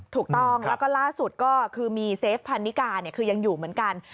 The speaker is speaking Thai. ถูกต้องแล้วก็ล่าสุดก็คือมีเซฟพันนิกาคือยังอยู่เหมือนกัน